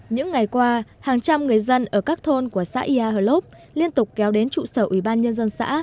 những ngày qua hàng trăm người dân ở các thôn của xã ia hờ lốc liên tục kéo đến trụ sở ủy ban nhân dân xã